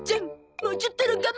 もうちょっとの我慢だからね。